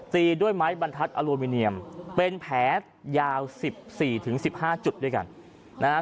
ตีด้วยไม้บรรทัดอลูมิเนียมเป็นแผลยาว๑๔๑๕จุดด้วยกันนะฮะ